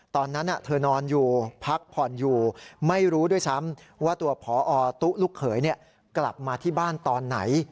ตอนนั้นเธอนอนอยู่พักผ่อนอยู่ไม่รู้ด้วยซ้ำว่าตัวพอตุ๊ลูกเขยกลับมาที่บ้านตอนไหน